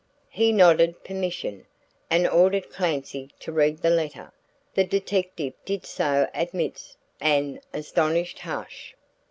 He nodded permission, and ordered Clancy to read the letter. The detective did so amidst an astonished hush.